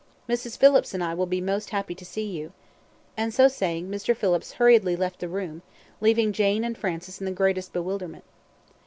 Mrs. Phillips and I will be most happy to see you" and so saying Mr. Phillips hurriedly left the room, leaving Jane and Francis in the greatest bewilderment.